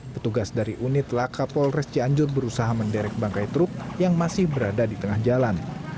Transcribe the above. petugas dari unit laka polres cianjur berusaha menderek bangkai truk yang masih berada di tengah jalan